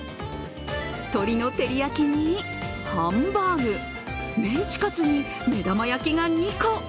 鶏の照り焼きに、ハンバーグ、メンチカツに目玉焼きが２個。